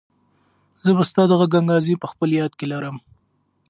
زه به ستا د غږ انګازې په خپل یاد کې لرم.